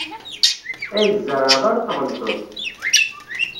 Ayen tzerɛd ara tɣellteḍ.